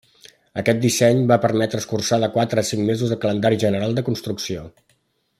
Aquest disseny va permetre escurçar de quatre a cinc mesos el calendari general de construcció.